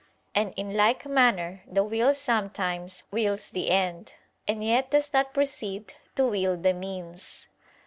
And in like manner the will sometimes wills the end, and yet does not proceed to will the means.